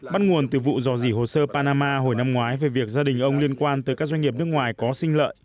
bắt nguồn từ vụ dò dỉ hồ sơ panama hồi năm ngoái về việc gia đình ông liên quan tới các doanh nghiệp nước ngoài có sinh lợi